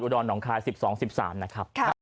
ดรหนองคาย๑๒๑๓นะครับ